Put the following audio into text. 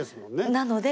なので。